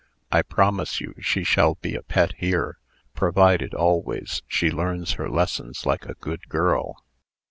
"I promise you she shall be a pet here, provided, always, she learns her lessons like a good girl.